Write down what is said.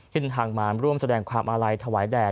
เดินทางมาร่วมแสดงความอาลัยถวายแด่